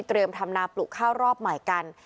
เตรียมทำนาปลุกข้าวรอบหมายกัน